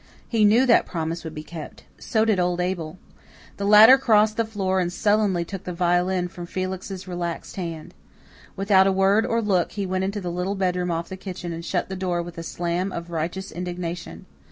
He knew that promise would be kept. So did old Abel. The latter crossed the floor and sullenly took the violin from Felix's relaxed hand. Without a word or look he went into the little bedroom off the kitchen and shut the door with a slam of righteous indignation.